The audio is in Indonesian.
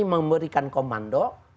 dia memberikan komando